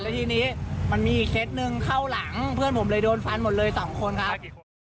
ทีนี้มันมีอีกเคสหนึ่งเข้าหลังเพื่อนผมเลยโดนฟันหมดเลยสองคนครับ